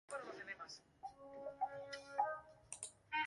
La Entrada recibió el Título de ciudad mediante Decreto legislativo No.